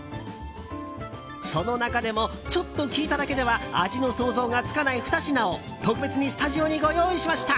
その中でもちょっと聞いただけでは味の想像がつかないふた品を特別にスタジオにご用意しました。